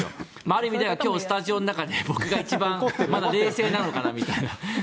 ある意味では今日スタジオの中で僕が一番冷静なのかなみたいな。